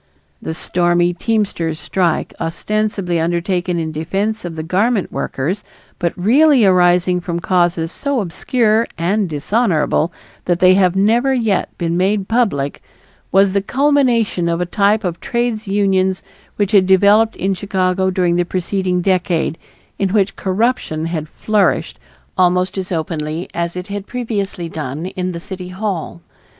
The stormy teamsters' strike, ostensibly undertaken in defense of the garment workers, but really arising from causes so obscure and dishonorable that they have never yet been made public, was the culmination of a type of trades unions which had developed in Chicago during the preceding decade in which corruption had flourished almost as openly as it had previously done in the City Hall.